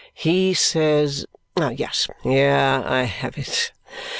He says yes! Here I have it!